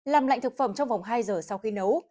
làm lạnh thực phẩm trong vòng hai giờ sau khi nấu